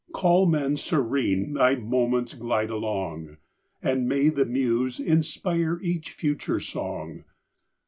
Calm and serene thy moments glide along, And may the muse inspire each future song!